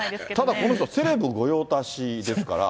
ただ、この人はセレブ御用達ですから。